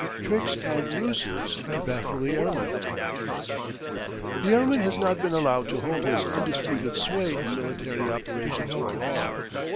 TRICKS AND RUSES TO BAFFLE THE AIRMAN The airman has not been allowed to hold his undisputed sway in military operations for long.